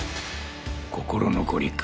心残りか。